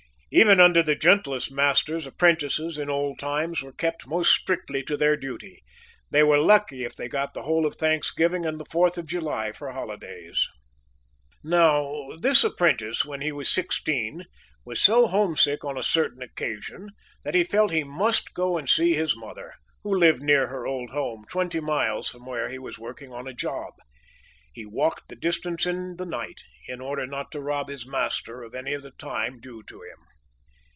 Even under the gentlest masters apprentices, in old times, were kept most strictly to their duty. They were lucky if they got the whole of Thanksgiving and the Fourth of July for holidays. Now, this apprentice, when he was sixteen, was so homesick on a certain occasion that he felt he must go and see his mother, who lived near her old home, twenty miles from where he was working on a job. He walked the distance in the night, in order not to rob his master of any of the time due to him.